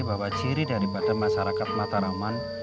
bahwa ciri daripada masyarakat mataraman